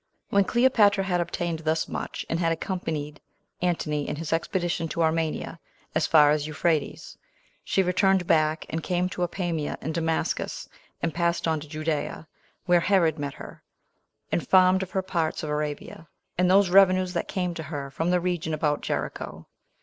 2. When Cleopatra had obtained thus much, and had accompanied Antony in his expedition to Armenia as far as Euphrates, she returned back, and came to Apamia and Damascus, and passed on to Judea, where Herod met her, and farmed of her parts of Arabia, and those revenues that came to her from the region about Jericho.